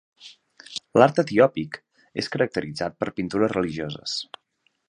L'art etiòpic és caracteritzat per pintures religioses.